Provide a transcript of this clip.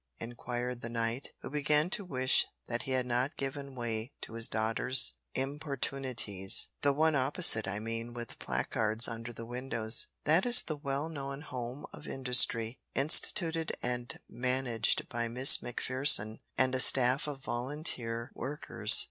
inquired the knight, who began to wish that he had not given way to his daughter's importunities, "the one opposite, I mean, with placards under the windows." "That is the well known Home of Industry, instituted and managed by Miss Macpherson and a staff of volunteer workers.